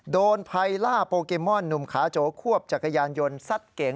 ไพล่าโปเกมอนหนุ่มขาโจควบจักรยานยนต์ซัดเก๋ง